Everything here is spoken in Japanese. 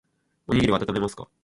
おにぎりあたためますか